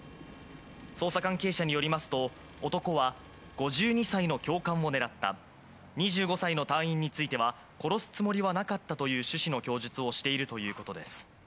捜査関係者によりますと男は５２歳の教官を狙った、２５歳の隊員については殺すつもりはなかったという趣旨の供述をしているということです。